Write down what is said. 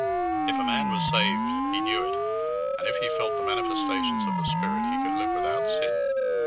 If a man was saved he knew it, and if he felt the manifestations of the Spirit he could live without sin.